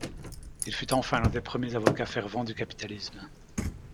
Il fut enfin l'un des premiers avocats fervents du capitalisme.